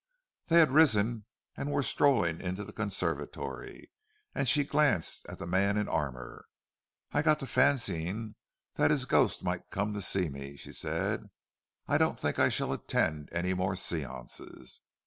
They had risen and were strolling into the conservatory; and she glanced at the man in armour. "I got to fancying that his ghost might come to see me," she said. "I don't think I shall attend any more séances.